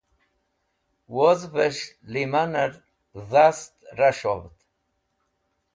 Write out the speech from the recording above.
Wozvẽs̃h lẽmanẽr dhast ras̃hovd.